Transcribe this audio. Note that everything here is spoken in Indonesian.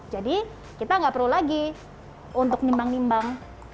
jadi kita tidak perlu lagi untuk nimbang nimbang